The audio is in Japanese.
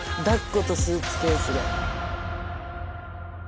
だっことスーツケースで。